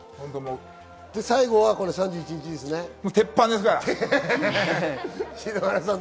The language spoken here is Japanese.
最後は３１日ですね。